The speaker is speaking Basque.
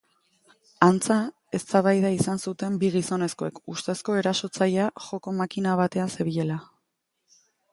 Antza, eztabaida izan zuten bi gizonezkoek, ustezko erasotzailea joko-makina batean zebilela.